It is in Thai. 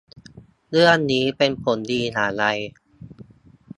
เรื่องนี้เป็นผลดีอย่างไร